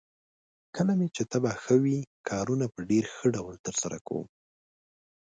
کله مې چې طبعه ښه وي، کارونه په ډېر ښه ډول ترسره کوم.